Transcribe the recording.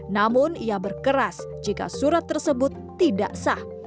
namun ia berkeras jika surat tersebut tidak sah